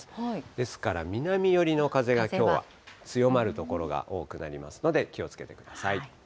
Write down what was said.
ですから南寄りの風がきょうは強まる所が多くなりますので気をつけてください。